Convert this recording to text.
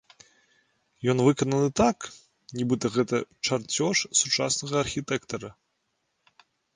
Ён выкананы так, нібыта, гэта чарцёж сучаснага архітэктара.